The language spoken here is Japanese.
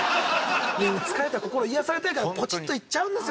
みんな疲れた心癒やされたいからポチッといっちゃうんですよ。